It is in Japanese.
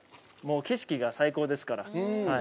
景色が最高ですから。